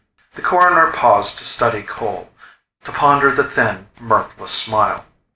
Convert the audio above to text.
The Coroner paused to study Cole; to ponder the thin, mirthless smile.